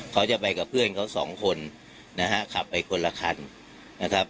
เขาจะไปกับเพื่อนเขาสองคนนะฮะขับไปคนละคันนะครับ